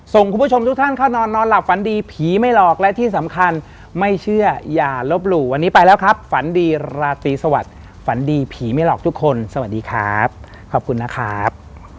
คุณผู้ชมทุกท่านเข้านอนนอนหลับฝันดีผีไม่หลอกและที่สำคัญไม่เชื่ออย่าลบหลู่วันนี้ไปแล้วครับฝันดีราตรีสวัสดิ์ฝันดีผีไม่หลอกทุกคนสวัสดีครับขอบคุณนะครับ